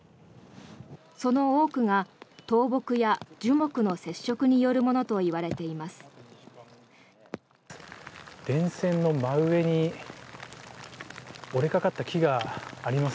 その多くが倒木や樹木の接触によるものといわれています。